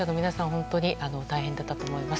本当に大変だったと思います。